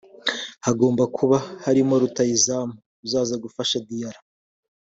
Hagomba kuba harimo rutahizamu uzaza gufasha Diarra